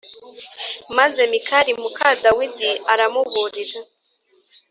Maze Mikali muka Dawidi aramuburira